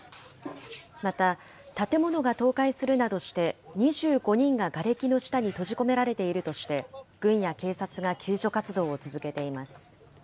また建物が倒壊するなどして、２５人ががれきの下に閉じ込められているとして、軍や警察が救助活動を続けています。